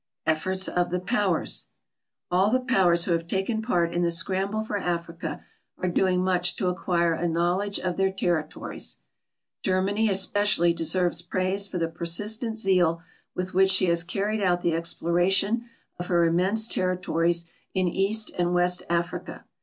EFFORTS OF THE POWERS All the powers who have taken part in the scramble for Africa are doing much to acquire a knowledge of their territories. Ger many especially deserves praise for the persistent zeal with which she has carried out the exploration of her immense territories in East and West Africa.